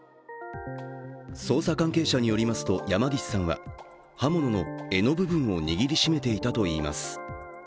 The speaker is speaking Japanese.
捜査関係者によりますと、山岸さんは刃物の柄の部分を握りしめていたといいます。